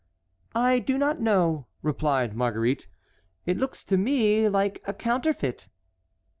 "I do not know," replied Marguerite. "It looks to me like a counterfeit."